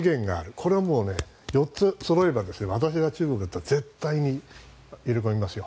これはもう４つそろえば私が中国だったら絶対に入れ込みますよ。